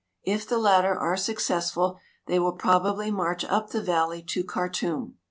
If the latter are successful they will probably march up the valley to Khartum.